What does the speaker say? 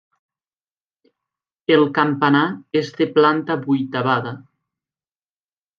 El campanar és de planta vuitavada.